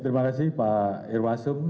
terima kasih pak irwasum